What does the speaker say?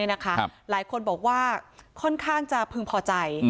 หลายคนบอกว่าค่อนข้างจะพึงพอใจ